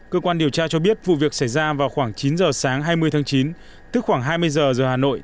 cơ quan điều tra cho biết vụ việc xảy ra vào khoảng chín giờ sáng hai mươi tháng chín tức khoảng hai mươi giờ giờ hà nội